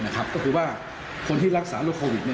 ก็คือว่าคนที่รักษาโรคโควิด